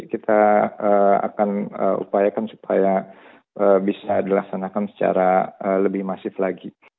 kita akan upayakan supaya bisa dilaksanakan secara lebih masif lagi